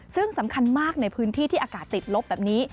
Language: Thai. ซึ่งสำคัญมากในพื้นที่ที่อากาศติดลบแบบนี้